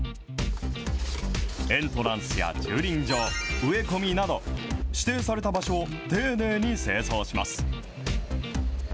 エントランスや駐輪場、植え込みなど、指定された場所を丁寧に清掃します。